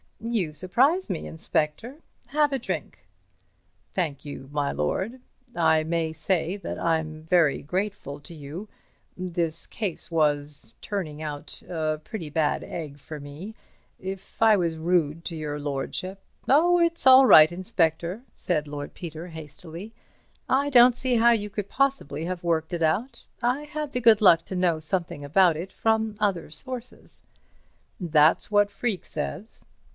"You surprise me, Inspector. Have a drink." "Thank you, my lord. I may say that I'm very grateful to you—this case was turning out a pretty bad egg for me. If I was rude to your lordship—" "Oh, it's all right, Inspector," said Lord Peter, hastily. "I don't see how you could possibly have worked it out. I had the good luck to know something about it from other sources." "That's what Freke says."